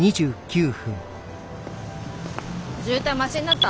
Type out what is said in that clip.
渋滞マシになった？